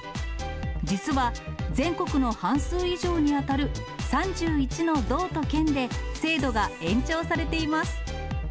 実は全国の半数以上に当たる３１の道と県で、制度が延長されています。